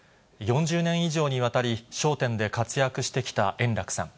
４０年以上にわたり、笑点で活躍してきた円楽さん。